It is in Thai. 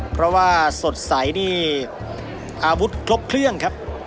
เพราะว่าสดใสนี่อาวุธครบเครื่องครับ